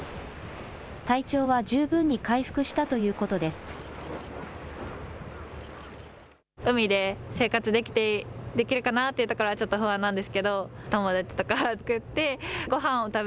体調は十分に回復したということです。